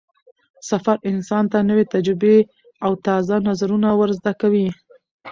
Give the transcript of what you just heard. سفر انسان ته نوې تجربې او تازه نظرونه ور زده کوي